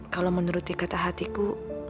kalau menuruti kata hatiku